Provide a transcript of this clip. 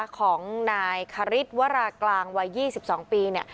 ของนายคริสวรากลางวัย๒๒ปีเนี่ย